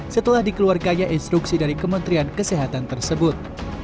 setelah dikeluarkannya instruksi dari kementerian kesehatan tersebut